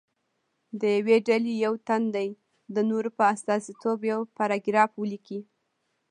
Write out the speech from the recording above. د یوې ډلې یو تن دې د نورو په استازیتوب یو پاراګراف ولیکي.